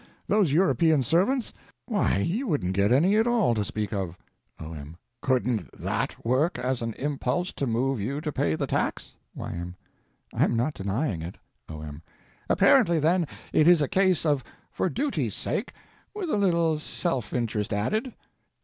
Those European servants? Why, you wouldn't get any at all, to speak of. O.M. Couldn't that work as an impulse to move you to pay the tax? Y.M. I am not denying it. O.M. Apparently, then, it is a case of for duty's sake with a little self interest added?